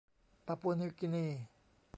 ปาปัวนิวกีนี